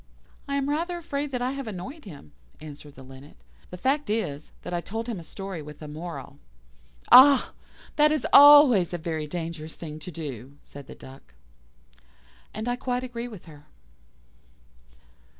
"I am rather afraid that I have annoyed him," answered the Linnet. "The fact is, that I told him a story with a moral." "Ah! that is always a very dangerous thing to do," said the Duck. And I quite agree with her.